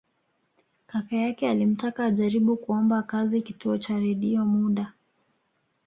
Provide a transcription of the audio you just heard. Kaka yake alimtaka ajaribu kuomba kazi Kituo cha Redio muda